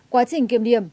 quá trình kiểm điểm